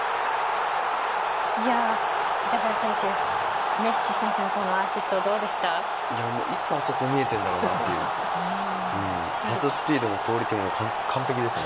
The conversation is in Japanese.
板倉選手、メッシ選手のアシストどうでした？